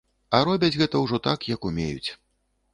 А робяць гэта ўжо так, як умеюць.